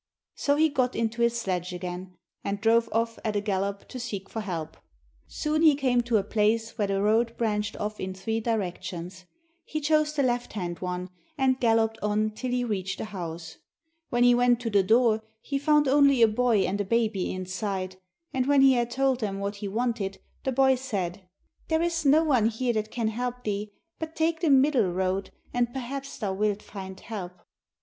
So he got into his sledge again, and drove off at a gallop to seek for help. Soon he came to a place where the road branched off in three directions. He chose the left hand one, and galloped on till he reached a house. When he went to the door he found only a boy and a baby inside, and when he had told them what he wanted, the boy said, 'There is no one here that can help thee, but take the middle road, and perhaps thou wilt find help.'